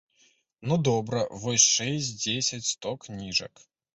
Ну, добра, вось шэсць, дзесяць, сто кніжак.